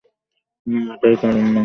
না, এটাই কারণ না।